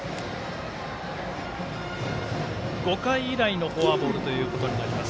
５回以来のフォアボールということになります。